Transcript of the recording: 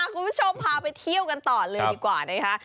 คุณผู้ชมพาไปเที่ยวกันต่อเลยดีกว่านะคะ